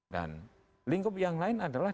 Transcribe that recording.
dan lingkup yang lain adalah